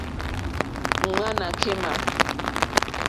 Ŋwánâ kémà.